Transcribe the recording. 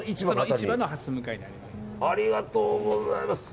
ありがとうございます。